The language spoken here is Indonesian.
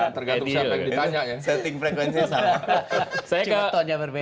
tergantung siapa yang ditanya ya setting frekuensinya sama